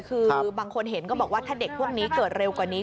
คือบางคนเห็นก็บอกว่าถ้าเด็กพวกนี้เกิดเร็วกว่านี้